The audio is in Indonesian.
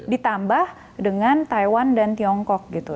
ditambah dengan taiwan dan tiongkok gitu